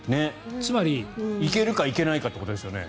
つまり、いけるかいけないかということですよね。